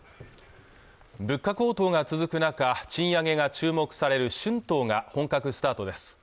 物価高騰が続く中賃上げが注目される春闘が本格スタートです